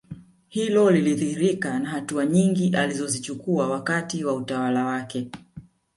Hilo lilidhihirika na hatua nyingi alizozichukua wakati wa utawala wake